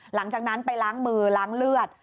หลังจากนั้นไปล้างมือล้างเลือด